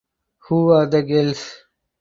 Who Are the Girls?